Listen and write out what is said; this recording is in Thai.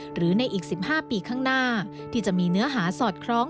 หรือในอีก๑๕ปีข้างหน้าที่จะมีเนื้อหาสอดคล้อง